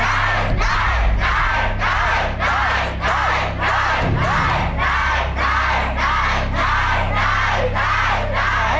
ได้